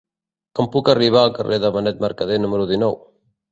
Com puc arribar al carrer de Benet Mercadé número dinou?